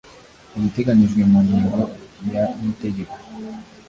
Ibiteganyijwe mu ngingo ya y itegeko